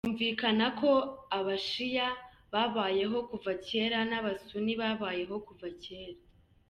Byumvikana ko abashia babayeho kuva kera n’abasuni babayeho kuva kera.